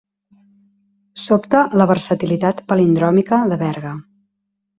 Sobta la versatilitat palindròmica de Berga.